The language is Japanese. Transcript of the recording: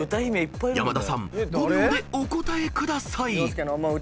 ［山田さん５秒でお答えください］